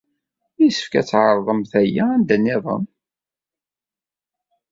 Yessefk ad tɛerḍemt aya anda niḍen.